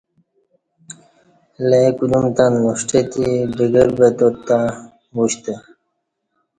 لئے کودیوم تں نُݜٹاتی ڈگربتات تں وُشتہ